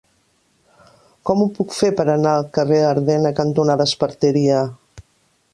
Com ho puc fer per anar al carrer Ardena cantonada Esparteria?